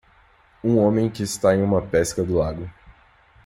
Um homem que está em uma pesca do lago.